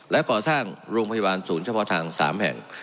และก่อสร้างโรงพยาบาลศูนย์เฉพาะทาง๓แห่ง